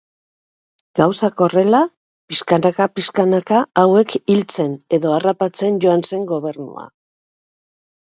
Gauzak horrela, pixkanaka-pixkanaka hauek hiltzen edo harrapatzen joan zen gobernua.